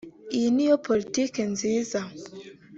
Iyi ni yo politiki nziza